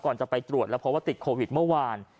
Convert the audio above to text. จะไปตรวจแล้วเพราะว่าติดโควิดเมื่อวาน